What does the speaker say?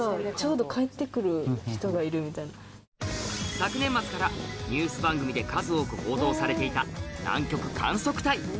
昨年末からニュース番組で数多く報道されていた南極観測隊